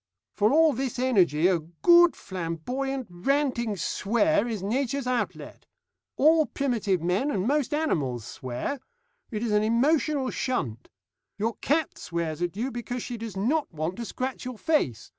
For all this energy a good flamboyant, ranting swear is Nature's outlet. All primitive men and most animals swear. It is an emotional shunt. Your cat swears at you because she does not want to scratch your face.